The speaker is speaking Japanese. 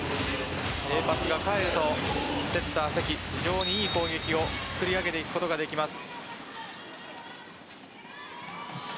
Ａパスが返ると、セッター・関非常に良い攻撃を作り上げていくことができます。